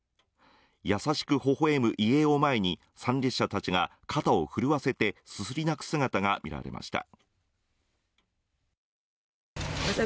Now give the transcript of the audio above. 優しく微笑む遺影を前に参列者たちが肩を震わせてすすり泣く姿が見られました。